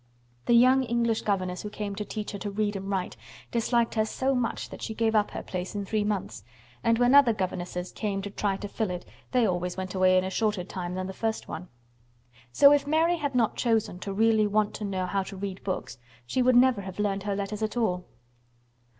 The young English governess who came to teach her to read and write disliked her so much that she gave up her place in three months, and when other governesses came to try to fill it they always went away in a shorter time than the first one. So if Mary had not chosen to really want to know how to read books she would never have learned her letters at all.